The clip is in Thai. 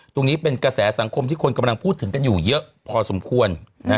ตรงนี้เป็นกระแสสังคมที่คนกำลังพูดถึงกันอยู่เยอะพอสมควร